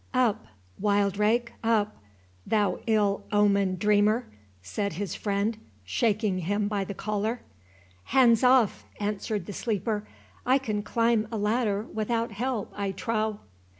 "Up, Wildrake—up, thou ill omened dreamer," said his friend, shaking him by the collar. "Hands off!" answered the sleeper.—"I can climb a ladder without help, I trow."